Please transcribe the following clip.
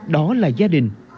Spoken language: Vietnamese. đó là gia đình